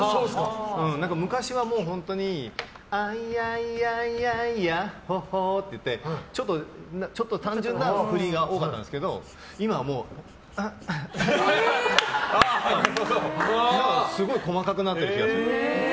昔は本当にアイアイアイアイヤッホホーってちょっと単純な振りが多かったんですけど今はすごい細かくなってる気がする。